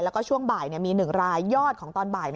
แล้วก็ช่วงบ่ายมี๑รายยอดของตอนบ่าย